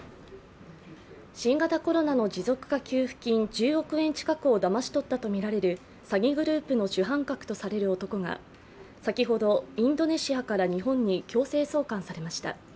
新型コロナの持続化給付金１０億円近くをだまし取ったとみられる詐欺グループの主犯格とされる男が先ほど、インドネシアから日本に強制送還されました。